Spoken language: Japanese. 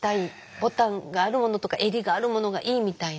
ボタンがあるものとか襟があるものがいいみたいな。